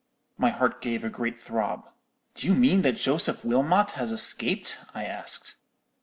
"My heart gave a great throb. "'Do you mean that Joseph Wilmot has escaped? I asked.